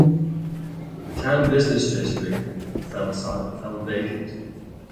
The town business district fell vacant.